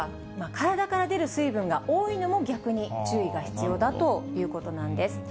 体から出る水分が多いのも逆に注意が必要だということなんです。